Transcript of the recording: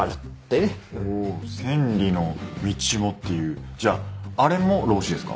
おお「千里の道も」っていうじゃああれも『老子』ですか？